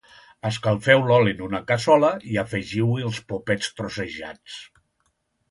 Escalfeu l'oli en una cassola i afegiu-hi els popets trossejats.